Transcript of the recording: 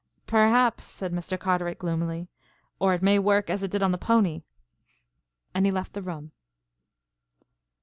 "Perhaps," said Mr. Carteret gloomily, "or it may work as it did on the pony." And he left the room.